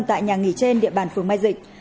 tại nhà nghỉ trên địa bàn phường mai dịch